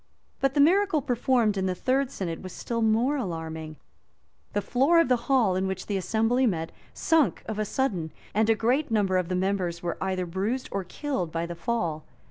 [*] But the miracle performed in the third synod was still more alarming: the floor of the hall in which the assembly met, sunk of a sudden, and a great number of the members were either bruised or killed by the fall.